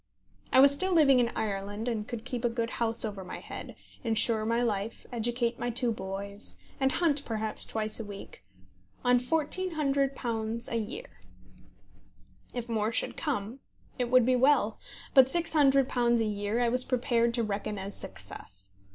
I was still living in Ireland, and could keep a good house over my head, insure my life, educate my two boys, and hunt perhaps twice a week, on £1400 a year. If more should come, it would be well; but £600 a year I was prepared to reckon as success.